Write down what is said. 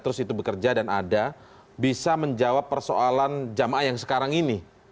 terus itu bekerja dan ada bisa menjawab persoalan jamaah yang sekarang ini